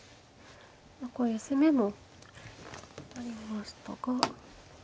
こういう攻めもありましたが。